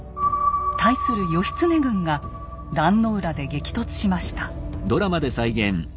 対する義経軍が壇の浦で激突しました。